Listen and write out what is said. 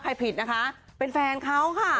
ผิดนะคะเป็นแฟนเขาค่ะ